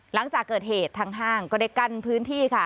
หลังจากเกิดเหตุทางห้างก็ได้กั้นพื้นที่ค่ะ